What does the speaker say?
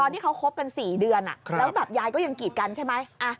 ที่เขาคบกัน๔เดือนแล้วแบบยายก็ยังกีดกันใช่ไหม